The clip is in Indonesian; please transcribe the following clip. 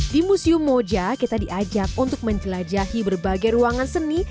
di museum moja kita diajak untuk menjelajahi berbagai ruangan seni